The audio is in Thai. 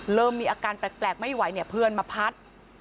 เริ่มมีอาการแปลกไม่ไหวเนี่ยเพื่อนมาพัด